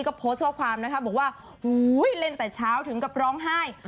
ก็โพสต์ข้อความนะคะบอกว่าเล่นแต่เช้าถึงกับร้องไห้